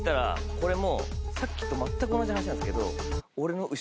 これもさっきと全く同じ話なんですけど。